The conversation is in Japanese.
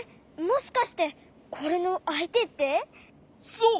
そう！